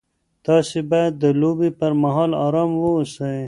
تاسي باید د لوبې پر مهال ارام واوسئ.